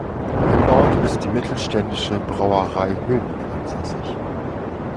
Im Ort ist die mittelständische Brauerei Hönig ansässig.